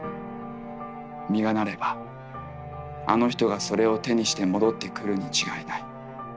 実がなればあの人がそれを手にして戻ってくるに違いない。